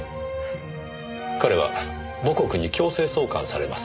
彼は母国に強制送還されます。